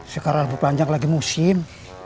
sekarang bebanjang lagi musim